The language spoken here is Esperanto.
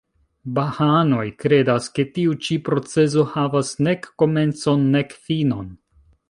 Bahaanoj kredas, ke tiu ĉi procezo havas nek komencon, nek finon.